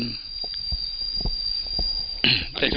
อธิษฐานว่า